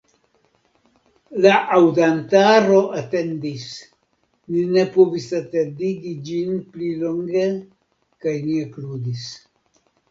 La aŭdantaro atendis; ni ne povis atendigi ĝin pli longe, kaj ni ekludis.